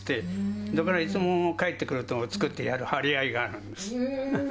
だからいつも帰ってくると作ってやる張り合いがあるんです。